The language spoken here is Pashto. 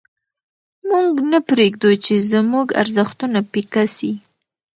موږ نه پرېږدو چې زموږ ارزښتونه پیکه سي.